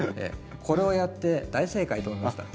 これをやって大正解と思いました。